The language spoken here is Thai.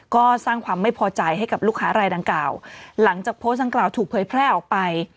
ก็สร้างความไม่พอใจให้กับลูกค้ารายดังกล่าวหลังจากโพสต์ดังกล่าวถูกเผยแพร่ออกไป